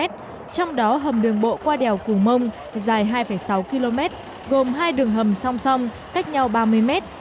trong đó hầm đường bộ qua đèo cù mông dài hai sáu km gồm hai đường hầm song song cách nhau ba mươi mét